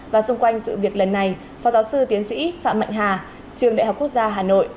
và xung quanh sự việc lần này phó giáo sư tiến sĩ phạm mạnh hà trường đại học quốc gia hà nội